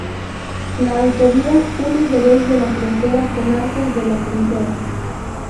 La autovía une Jerez de la Frontera con Arcos de la Frontera.